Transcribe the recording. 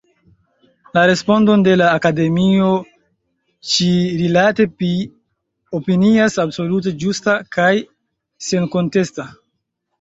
La respondon de la Akademio ĉi-rilate mi opinias absolute ĝusta kaj senkontesta.